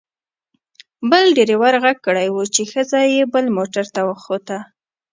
بل ډریور غږ کړی و چې ښځه یې بل موټر ته وخوته.